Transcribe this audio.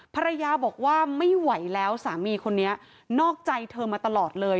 ภรรยาบอกว่าไม่ไหวแล้วสามีคนนี้นอกใจเธอมาตลอดเลย